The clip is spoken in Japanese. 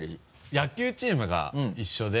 野球チームが一緒で。